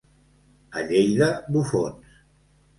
A Lleida, bufons.